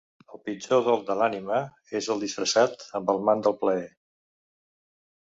El pitjor dol de l'ànima és el disfressat amb el mant del plaer.